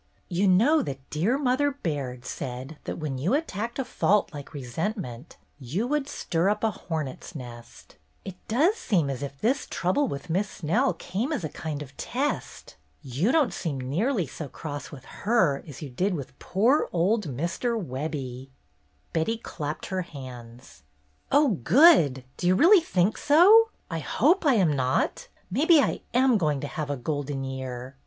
"You know that dear Mother Baird said that when you attacked a fault like resent ment, you would stir up a hornet's nest. It does seem as if this trouble with Miss Snell came as a kind of test. You don't seem nearly so cross with her as you did with poor old Mr. Webbie." Betty clapped her hands. "Oh, good! Do you really think so? I hope I am not. Maybe I am going to have a Golden Year.